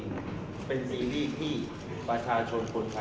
มันเป็นสิ่งที่เราไม่รู้สึกว่า